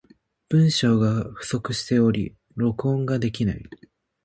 文章が不足しており、録音ができない。